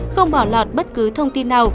không bỏ lọt bất cứ thông tin nào